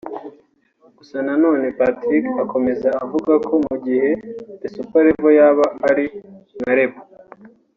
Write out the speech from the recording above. Gusa nanone Patrick akomeza avuga ko mu gihe The super level yaba ari nka label